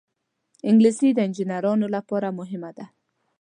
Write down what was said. انګلیسي د انجینرانو لپاره مهمه ده